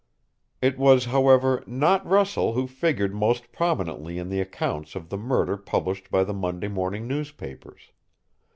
It was, however, not Russell who figured most prominently in the accounts of the murder published by the Monday morning newspapers.